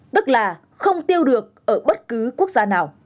tức là không tiêu được ở bất cứ quốc gia nào